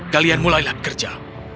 kalian mulailah kerja